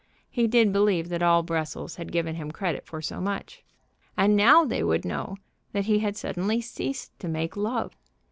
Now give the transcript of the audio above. He did believe that all Brussels had given him credit for so much. And now they would know that he had suddenly ceased to make love.